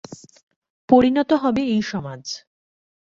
পরিণত হবে এই সমাজ।